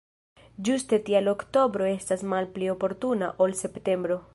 Ĝuste tial oktobro estas malpli oportuna ol septembro.